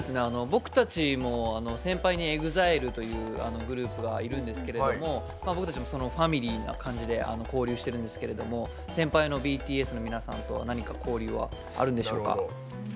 僕たちも先輩にＥＸＩＬＥというグループがいるんですけれども僕たちもファミリーな感じで交流してるんですけども先輩のＢＴＳの皆さんとは何か交流はあるんでしょうか？